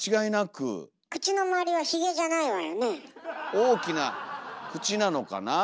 大きな口なのかなあ？